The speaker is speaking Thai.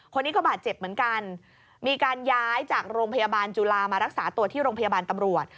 คนนี้ก็บาดเจ็บเหมือนกันมีการย้ายจากโรงพยาบาลจุฬามารักษาตัวที่โรงพยาบาลตำรวจ